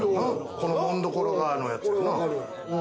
この紋所が、のやつやな。